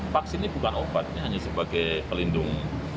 vaksin ini bukan obat ini hanya sebagai pelindung